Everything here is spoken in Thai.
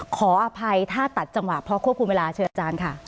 ขออภัยถ้าตัดจังหวะเพราะควบคุมเวลาเชิญอาจารย์ค่ะ